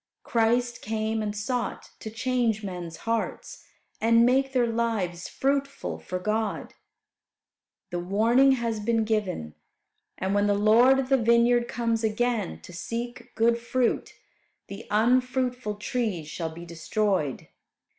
Christ came and sought to change men's hearts, and make their lives fruitful for God. The warning has been given, and when the Lord of the vineyard comes again to seek good fruit the unfruitful trees shall be destroyed.